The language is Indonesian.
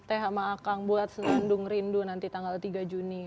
teh sama akang buat senandung rindu nanti tanggal tiga juni